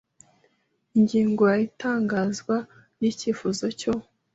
Ingingo ya Itangazwa ry icyifuzo cyo